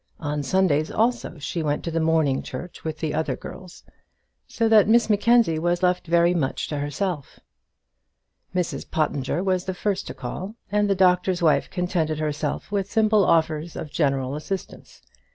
On Sundays also, she went to morning church with the other girls; so that Miss Mackenzie was left very much to herself. Mrs Pottinger was the first to call, and the doctor's wife contented herself with simple offers of general assistance.